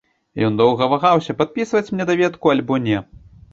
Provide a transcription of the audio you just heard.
Ён доўга вагаўся, падпісваць мне даведку альбо не.